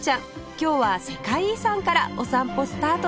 今日は世界遺産からお散歩スタートです